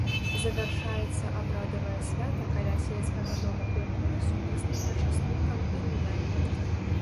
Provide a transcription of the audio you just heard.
Завяршаецца абрадавае свята каля сельскага дома культуры сумесным пачастункам і гуляннем.